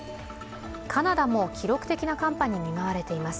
カナダも記録的な寒波に見舞われています。